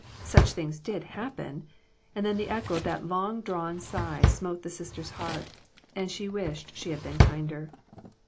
Such things did happen, and then the echo of that long drawn sigh smote the sister's heart and she wished she had been kinder.